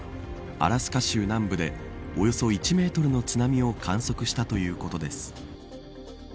アラスカ州南部でおよそ１メートルの津波を観測したということです。